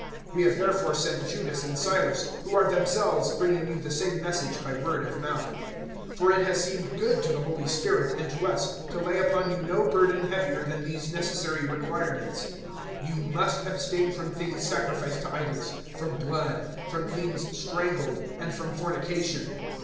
015:027 We have therefore sent Judas and Silas, who are themselves bringing you the same message by word of mouth. 015:028 For it has seemed good to the Holy Spirit and to us to lay upon you no burden heavier than these necessary requirements 015:029 You must abstain from things sacrificed to idols, from blood, from things strangled, and from fornication.